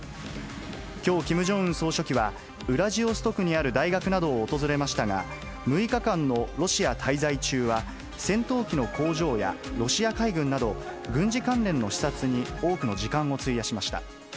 きょう、キム・ジョンウン総書記は、ウラジオストクにある大学などを訪れましたが、６日間のロシア滞在中は、戦闘機の工場やロシア海軍など、軍事関連の視察に多くの時間を費やしました。